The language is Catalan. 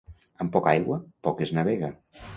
Amb poca aigua, poc es navega.